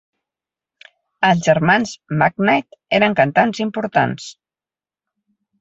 Els germans McKnight eren cantants importants.